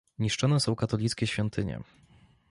Niszczone są katolickie świątynie